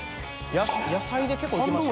野菜で結構いきましたね。